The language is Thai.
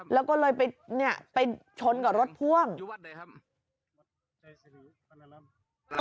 แล้วไปช้นกับรถพ่วง